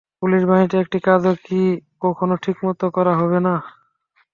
Police বাহিনীতে একটি কাজও কি কখনো ঠিকমতো করা হবে না।